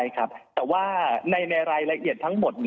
ครับถ้าว่าในรายละเอียดทั้งหมด